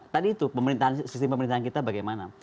tadi itu pemerintahan sisi pemerintahan kita bagaimana